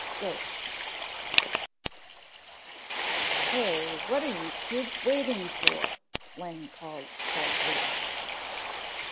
GHOSTS "Hey, what are you waiting for?" Lang called sharply.